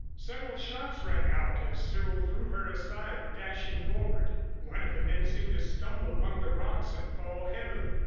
Several shots rang out as Cyril threw her aside, dashing forward. One of the men seemed to stumble among the rocks and fall heavily.